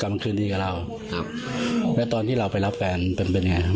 มาคืนดีกับเราครับแล้วตอนที่เราไปรับแฟนเป็นเป็นยังไงครับ